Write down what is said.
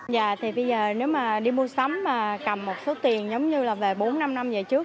già thì bây giờ nếu mà đi mua sắm mà cầm một số tiền giống như là về bốn năm năm về trước